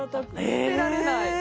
捨てられない。